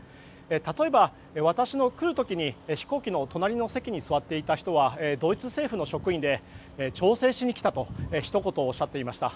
例えば、私が来る時に飛行機の隣に座っていた人はドイツ政府の職員で調整しに来たとひと言おっしゃっていました。